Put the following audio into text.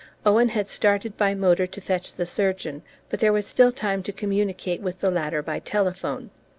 Owen had started by motor to fetch the surgeon, but there was still time to communicate with the latter by telephone.